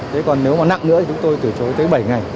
thế còn nếu mà nặng nữa chúng tôi từ chối tới bảy ngày